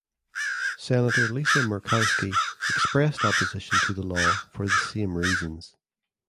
Senator Lisa Murkowski expressed opposition to the law for the same reasons.